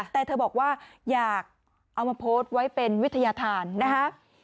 แต่เธอบอกว่าอยากเอามาโพสต์ไว้เป็นวิทยาธารนะคะ